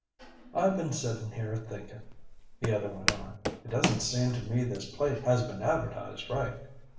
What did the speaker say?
"I've been sitting here thinking," the other went on. "It doesn't seem to me this place has been advertised right.